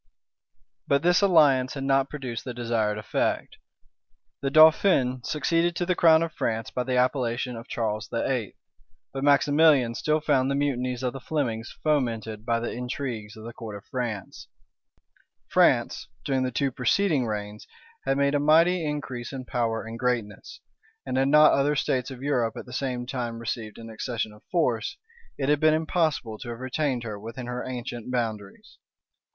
But this alliance had not produced the desired effect. The dauphin succeeded to the crown of France by the appellation of Charles VIII.; but Maximilian still found the mutinies of the Flemings fomented by the intrigues of the court of France. France, during the two preceding reigns, had made a mighty increase in power and greatness; and had not other states of Europe at the same time received an accession of force, it had been impossible to have retained her within her ancient boundaries.